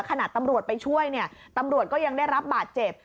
ขณะตำรวจไปช่วยตำรวจยังได้รับบาดเจ็บ